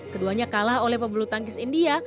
keduanya kalah oleh pebulu tangkis india